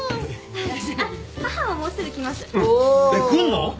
来んの？